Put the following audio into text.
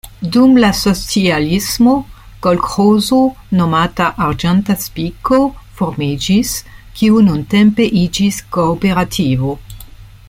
Dum la socialismo kolĥozo nomata "Arĝenta Spiko" formiĝis, kiu nuntempe iĝis kooperativo.